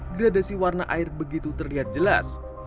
gradasi warna air begitu terlihat jelas